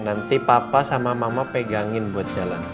nanti papa sama mama pegangin buat jalan